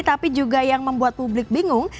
tapi juga yang membuat publik bingung